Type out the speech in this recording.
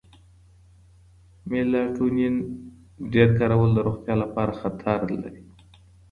میلاټونین ډېر کارول د روغتیا لپاره خطر لري.